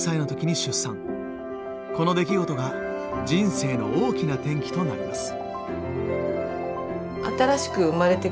この出来事が人生の大きな転機となります。